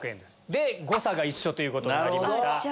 で誤差が一緒ということになりました。